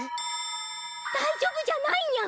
大丈夫じゃないニャン！